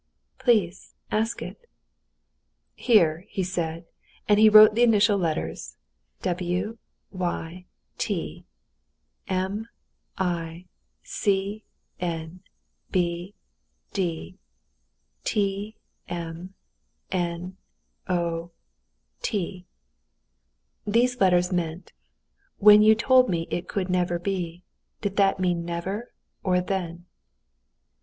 "Please, ask it." "Here," he said; and he wrote the initial letters, w, y, t, m, i, c, n, b, d, t, m, n, o, t. These letters meant, "When you told me it could never be, did that mean never, or then?"